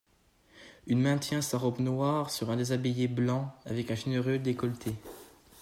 Une main tient sa robe noire sur un déshabillé blanc, avec un généreux décolleté.